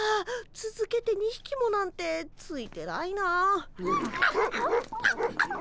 つづけて２ひきもなんてついてないな。え！？